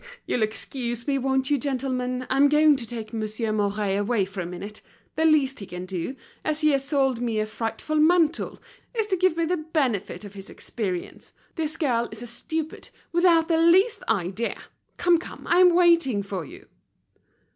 you'll excuse me, won't you, gentlemen? I'm going to take Monsieur Mouret away for a minute. The least he can do, as he has sold me a frightful mantle, is to give me the benefit of his experience. This girl is a stupid, without the least idea. Come, come! I'm waiting for you."